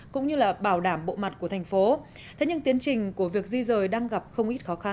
cũng như là bảo đảm bộ mặt của thành phố thế nhưng tiến trình của việc di rời đang gặp không ít khó khăn